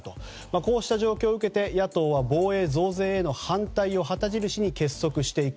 こうした状況を受けて野党は防衛増税への反対を旗印に結束していく。